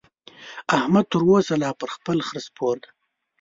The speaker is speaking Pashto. احمد تر اوسه لا پر خپل خره سپور دی.